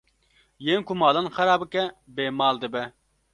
Yên ku malan xera bike bê mal dibe